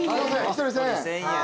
１人１，０００円。